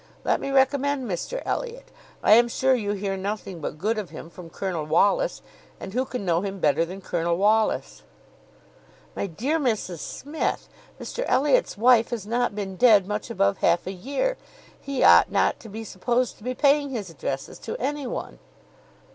Let me recommend Mr Elliot. I am sure you hear nothing but good of him from Colonel Wallis; and who can know him better than Colonel Wallis?" "My dear Mrs Smith, Mr Elliot's wife has not been dead much above half a year. He ought not to be supposed to be paying his addresses to any one."